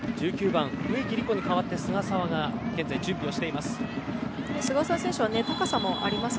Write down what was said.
１９番、植木理子に代わって準備しています。